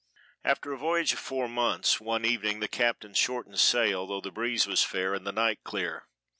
After a voyage of four months one evening the captain shortened sail, though the breeze was fair and the night clear.